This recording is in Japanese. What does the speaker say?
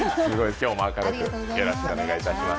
今日も明るく、よろしくお願いいたします。